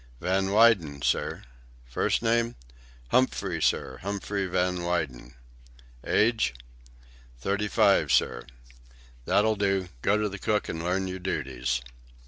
"Van Weyden, sir." "First name?" "Humphrey, sir; Humphrey Van Weyden." "Age?" "Thirty five, sir." "That'll do. Go to the cook and learn your duties."